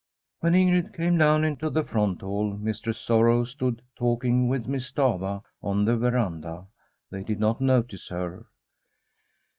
When Ingrid came down into the front hall, Mistress Sorrow stood talking with Miss Stafva on the veranda. They did not notice her.